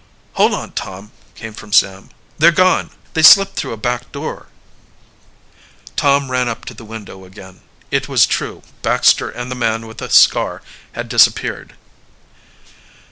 "Hold on, Tom!" came from Sam. "They're gone! They slipped through a back door!" Tom ran up to the window again. It was true Baxter and the man with a scar had disappeared.